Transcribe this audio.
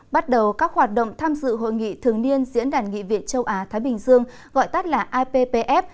bắt đầu các hoạt động tham dự hội nghị thường niên diễn đàn nghị viện châu á thái bình dương gọi tắt là ippf